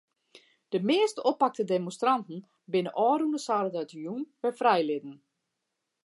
De measte oppakte demonstranten binne ôfrûne saterdeitejûn wer frijlitten.